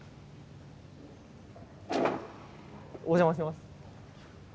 お邪魔します。